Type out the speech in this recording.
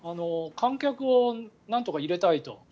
観客をなんとか入れたいと。